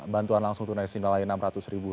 bantuan langsung tunai sinyal lain enam ratus ribu